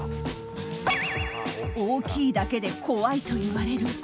大きいだけで怖いと言われる。